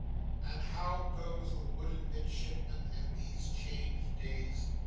And how goes the wooden Midshipman in these changed days?